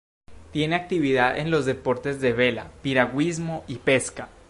Tiene actividad en los deportes de vela, piragüismo y pesca.